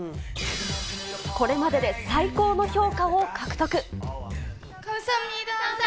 これまでで最高の評価を獲得。